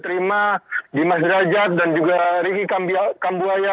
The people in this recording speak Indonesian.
terima dimas derajat dan juga riki kambuaya